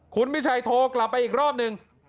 คุณวิชัยโทรกลับไปอีกรอบนึง